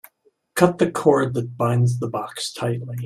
Cut the cord that binds the box tightly.